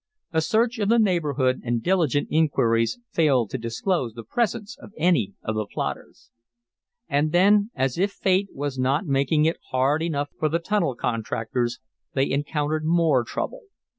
A search of the neighborhood, and diligent inquiries, failed to disclose the presence of any of the plotters. And then, as if Fate was not making it hard enough for the tunnel contractors, they encountered more trouble.